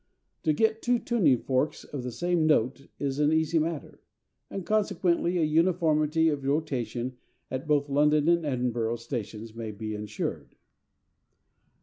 To get two tuning forks of the same note is an easy matter; and consequently a uniformity of rotation at both London and Edinburgh stations may be insured.